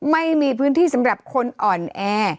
ไม่มีพื้นที่สำหรับคนอ่อนแอ